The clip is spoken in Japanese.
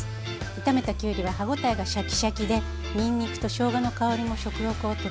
炒めたきゅうりは歯ごたえがシャキシャキでにんにくとしょうがの香りも食欲をとてもそそるんですよ。